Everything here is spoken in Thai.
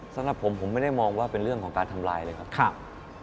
สำหรับผมผมไม่ได้มองว่าเป็นเรื่องของการทำลายเลยครับ